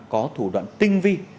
có thủ đoạn tinh vi